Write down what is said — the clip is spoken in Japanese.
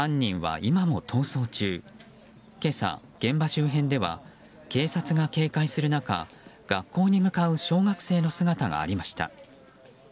今朝、現場周辺では警察が警戒する中学校に向かう小学生の姿がありました。